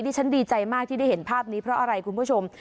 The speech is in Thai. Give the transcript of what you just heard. ฉันดีใจมากที่ได้เห็นภาพนี้เพราะอะไรคุณผู้ชม